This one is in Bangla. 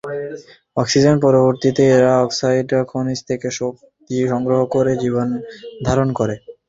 অক্সিজেনের পরিবর্তে এরা অক্সাইড খনিজ থেকে শক্তি সংগ্রহ করে জীবনধারণ করে।